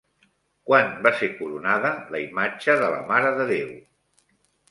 Quan va ser coronada la imatge de la Mare de Déu?